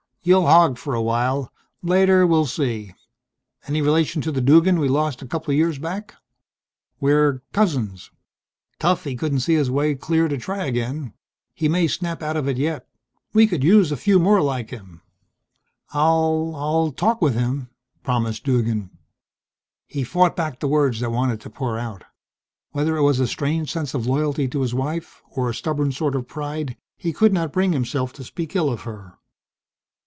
"You'll hog for a while. Later we'll see.... Any relation to the Duggan we lost a couple of years back?" "We're cousins." "Tough he couldn't see his way clear to try again." Short's lips thinned. "He may snap out of it yet.... We could use a few more like him." "I I'll talk with him," promised Duggan. He fought back the words that wanted to pour out. Whether it was a strange sense of loyalty to his wife, or a stubborn sort of pride, he could not bring himself to speak ill of her.